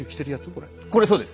これそうです。